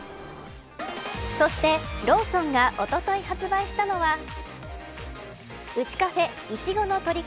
そして、ローソンがおととい発売したのはウチカフェいちごのトリコ！